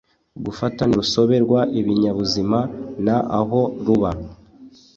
gufata neza urusobe rw ibinyabuzima n aho ruba